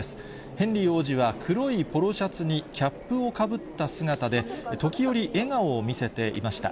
ヘンリー王子は、黒いポロシャツにキャップをかぶった姿で、時折笑顔を見せていました。